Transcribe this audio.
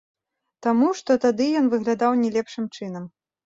Таму, што тады ён выглядаў не лепшым чынам.